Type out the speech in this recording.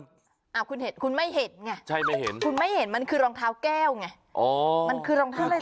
ก็มันคุณเห็นคุณไม่เห็นไงคุณไม่เห็นมันคือรองเท้าแก้วไงมันคือรองเท้าแก้ว